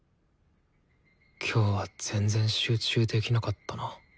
今日は全然集中できなかったな。